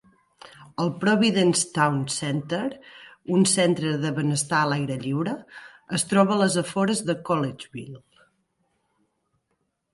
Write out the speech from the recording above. El Providence Town Center, un centre de benestar a l'aire lliure, es troba a les afores de Collegeville.